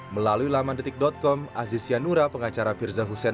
melalui lamandetik com aziz yanura pengacara firza hussein